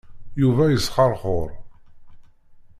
Yuba yesxeṛxuṛ.